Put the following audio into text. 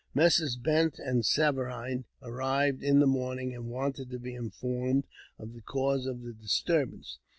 Messrs. Bent and Saverine arrived in the morning, and wanted to be informed of the cause of the disturbance.